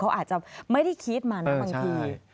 เขาอาจจะไม่ได้คิดมานะบางที